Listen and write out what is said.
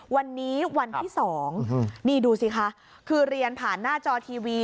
วันนี้วันที่๒นี่ดูสิคะคือเรียนผ่านหน้าจอทีวี